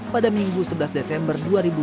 pada minggu sebelas desember dua ribu dua puluh